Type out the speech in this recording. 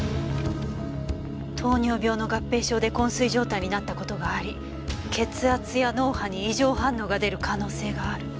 「糖尿病の合併症で昏睡状態になったことがあり血圧や脳波に異常反応が出る可能性がある」。